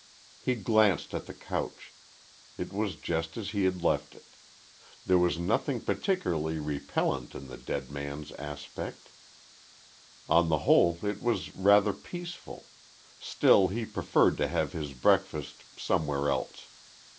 He glanced at the couch. It was just as he had left it. There was nothing particularly repellant in the dead man's aspect. On the whole it was rather peaceful still, he preferred to have his breakfast somewhere else.